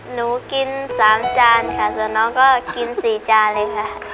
หนูกิน๓จานค่ะส่วนน้องก็กิน๔จานเลยค่ะ